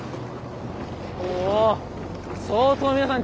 おお相当皆さん